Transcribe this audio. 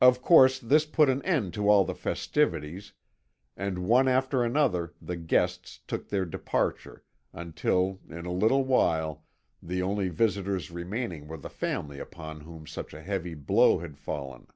"Of course this put an end to all the festivities, and one after another the guests took their departure, until in a little while the only visitors remaining were the family upon whom such a heavy blow had fallen.